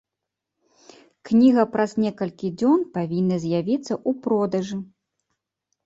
Кніга праз некалькі дзён павінна з'явіцца ў продажы.